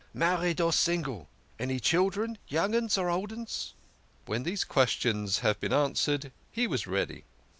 Married or single? Any children? Young 'uns or old 'uns?" When these questions had been answered, he was ready.